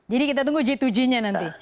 jadi kita tunggu g dua g nya nanti